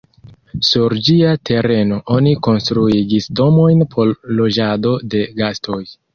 Sur ĝia tereno oni konstruigis domojn por loĝado de gastoj.